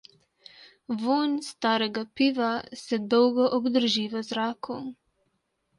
Vonj starega piva se dolgo obdrži v zraku.